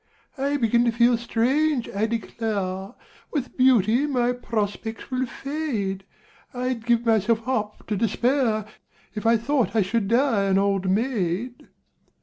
I begin to feel strange, I declare! With beauty my prospects will fade I'd give myself up to despair If I thought I should die an old maid!